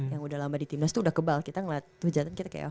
yang udah lama di timnas tuh udah kebal kita ngeliat hujatan kita kayak